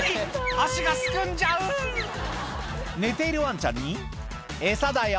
足がすくんじゃう」寝ているワンちゃんに「餌だよ」